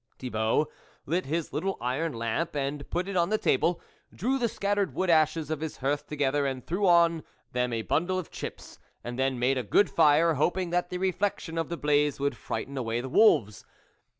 Thibault lit his little iron lamp and put it on the table ; drew the scattered wood ashes of his hearth together and threw on them a bundle of chips, and then made a good fire, hoping that the reflection of the blaze would frighten away the wolves.